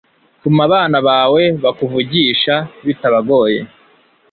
TUMA ABANA BAWE BAKUVUGISHA BITABAGOYE